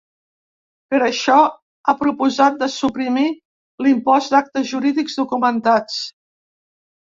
Per això, ha proposat de suprimir l’impost d’actes jurídics documentats.